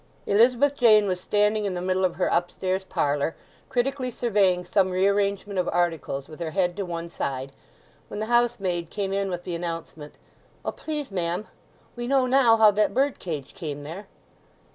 Elizabeth Jane was standing in the middle of her upstairs parlour, critically surveying some re arrangement of articles with her head to one side, when the housemaid came in with the announcement, "Oh, please ma'am, we know now how that bird cage came there."